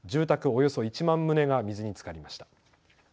およそ１万棟が水につかりました。